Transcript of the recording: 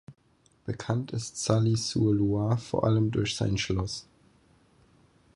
Bekannt ist Sully-sur-Loire vor allem durch sein Schloss.